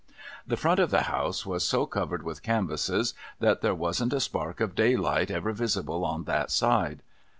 The front of the House was so covered with canvasses, that there wasn't a spark of daylight ever visible on that side.